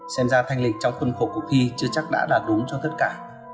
xem ra thanh lịch trong khuôn khổ cuộc thi chưa chắc đã là đúng cho tất cả